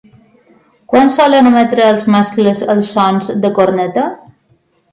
Quan solen emetre els mascles els sons de corneta?